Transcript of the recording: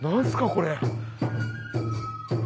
これ。